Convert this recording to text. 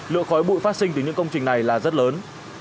lượng khói bụi phát sinh từ những công trình này là rất lớn